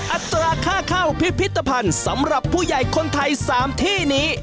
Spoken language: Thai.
อัตราค่าเข้าพิพิธภัณฑ์สำหรับผู้ใหญ่คนไทย๓ที่นี้